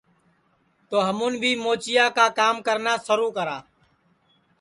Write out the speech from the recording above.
تو ہمون بھی موچیا کا کرنا سِرو کرا